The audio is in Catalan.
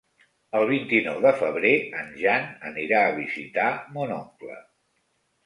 El vint-i-nou de febrer en Jan anirà a visitar mon oncle.